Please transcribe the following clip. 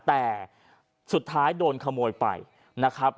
แต่สุดท้ายโดนขโมยไปนะครับ